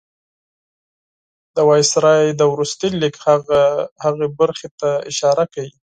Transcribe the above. د وایسرا د وروستي لیک هغې برخې ته اشاره کړې.